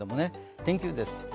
天気図です。